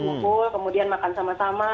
kemudian makan sama sama